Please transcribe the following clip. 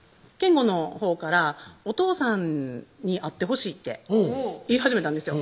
謙吾のほうから「お父さんに会ってほしい」って言い始めたんですよ